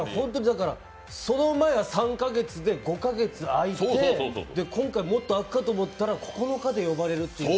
その前は３か月で５か月空いて、今回もっと空くかと思ったら９日で呼ばれるという。